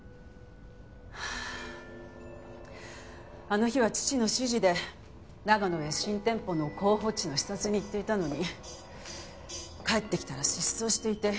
あの日は父の指示で長野へ新店舗の候補地の視察に行っていたのに帰ってきたら失踪していて。